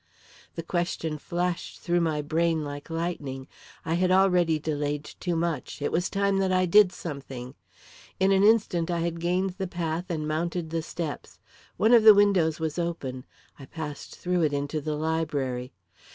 The question flashed through my brain like lightning. I had already delayed too much; it was time that I did something! In an instant I had gained the path and mounted the steps. One of the windows was open. I passed through it into the library.